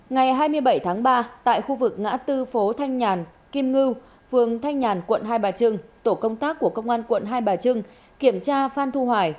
ngày hai mươi bảy tháng ba tại khu vực ngã tư phố thanh nhàn kim ngư phường thanh nhàn quận hai bà trưng tổ công tác của công an quận hai bà trưng kiểm tra phan thu hoài